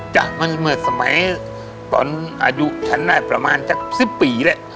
จ้ะมันเหมือนสมัยตอนอายุฉันได้ประมาณจักร๑๐ปีแหละ